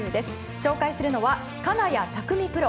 紹介するのは金谷拓実プロ。